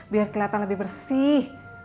biar kelihatan lebih bersih